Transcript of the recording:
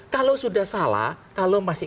kalau sudah salah kalau masih